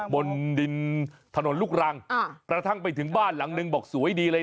บนดินถนนลูกรังกระทั่งไปถึงบ้านหลังนึงบอกสวยดีเลย